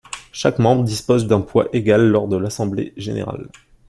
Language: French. Chaque membre dispose d’un poids égal lors de l’Assemblée générale.